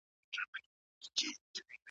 فکري خلاګانې د علمي اثارو په واسطه ډکېږي.